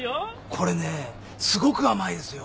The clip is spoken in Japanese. これねすごく甘いですよ。